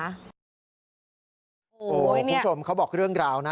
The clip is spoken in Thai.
คุณผู้ชมเขาบอกเรื่องราวนะ